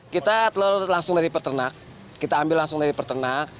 kita telur langsung dari peternak kita ambil langsung dari peternak